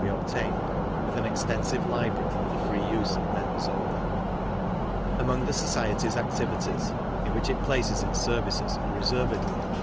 be obtained, with an extensive library for the free use of members only. ;■'?.'~,■■■_■■. Among the Society's activities (in which it places its services unreservedly at the.